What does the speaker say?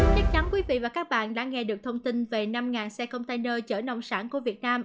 chắc chắn quý vị và các bạn đã nghe được thông tin về năm xe container chở nông sản của việt nam